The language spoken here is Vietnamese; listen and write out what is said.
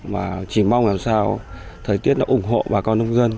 mà chỉ mong làm sao thời tiết nó ủng hộ bà con nông dân